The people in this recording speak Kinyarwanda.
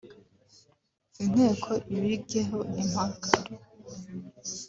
Inteko ibigeho impaka